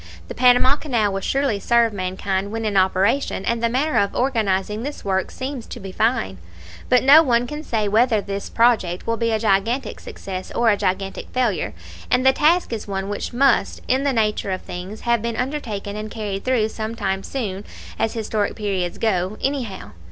The Panama Canal will surely serve mankind when in operation; and the manner of organizing this work seems to be fine. But no one can say whether this project will be a gigantic success or a gigantic failure; and the task is one which must, in the nature of things, have been undertaken and carried through some time soon, as historic periods go, anyhow.